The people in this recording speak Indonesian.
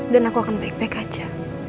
dan aku akan baik baik aja